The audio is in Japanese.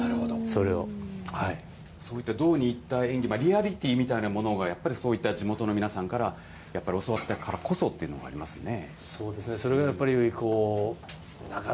それ、どうにはいった演技、リアリティーみたいなもの、やっぱりそういった地元の皆さんから、やっぱり教わったからこそっていうのはありますよね。